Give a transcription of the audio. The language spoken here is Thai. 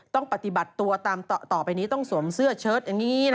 ต้องปฏิบัติตัวตามต่อไปนี้ต้องสวมเสื้อเชิดอย่างนี้